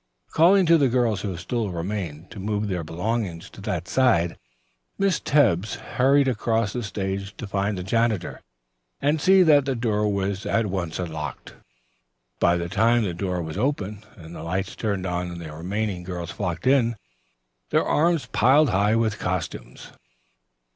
Calling to the girls who still remained to move their belongings to that side, Miss Tebbs hurried across the stage to find the janitor and see that the door was at once unlocked. By the time the door was opened and the lights turned on the remaining girls flocked in, their arms piled high with costumes.